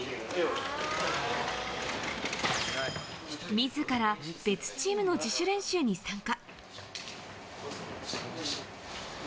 自ら別チームの自主練習に参加。